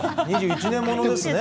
２０２１年ものですね。